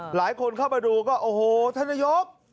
หลายคนเข้ามาดูก็โอ้โหท่านนายก